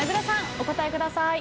お答えください。